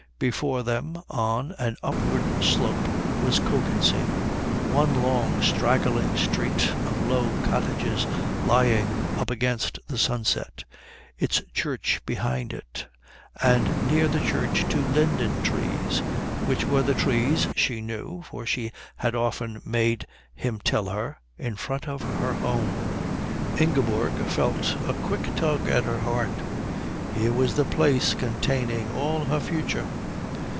Before them on an upward slope was Kökensee, one long straggling street of low cottages lying up against the sunset, its church behind it, and near the church two linden trees which were the trees, she knew for she had often made him tell her, in front of her home. Ingeborg felt a quick tug at her heart. Here was the place containing all her future.